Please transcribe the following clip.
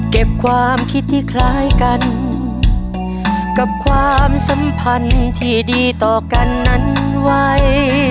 เก็บความคิดที่คล้ายกันกับความสัมพันธ์ที่ดีต่อกันนั้นไว้